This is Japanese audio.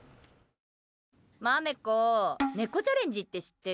まめこ、ネコチャレンジって知ってる？